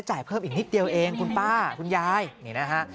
จ่ายเพิ่มอีกนิดเดียวเองคุณป้าคุณยายนี่นะฮะ